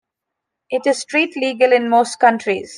It is street legal in most countries.